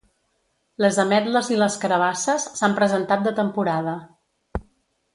Les ametles i les carabasses s’han presentat de temporada.